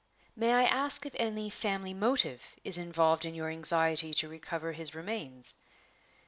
"May I ask if any family motive is involved in your anxiety to recover his remains?"